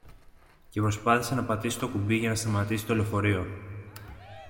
και προσπάθησε να πατήσει το κουμπί για να σταματήσει το λεωφορείο